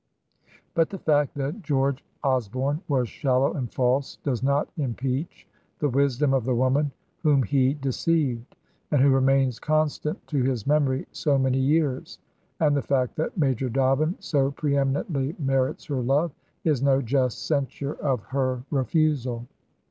But the fact that George Osborne was shallow and false does not impeach the wisdom of the woman whom he deceived and who remains constant to his memory so many years; and the fact that Major Dobbin so pre eminently merits her love is no just censure of her re fusal.